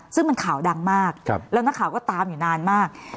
ซึ่งมันข่าวดังมากแล้วนักข่าวก็ตามอยู่นานมาก